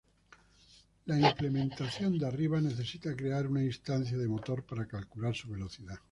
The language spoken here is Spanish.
La implementación de arriba necesita crear una instancia de Motor para calcular su velocidad.